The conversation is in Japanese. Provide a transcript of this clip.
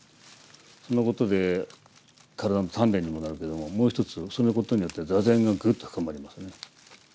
そのことで体の鍛錬にもなるけどももう一つそのことによって坐禅がグッと深まりますね。